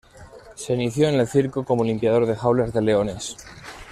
Se inició en el circo como limpiador de jaulas de leones.